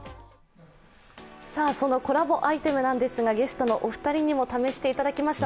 そのコラボアイテムなんですが、ゲストのお二人にも試していただきました。